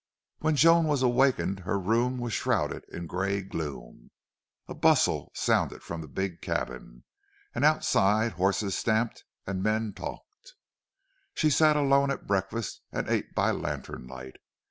When Joan was awakened her room was shrouded in gray gloom. A bustle sound from the big cabin, and outside horses stamped and men talked. She sat alone at breakfast and ate by lantern light.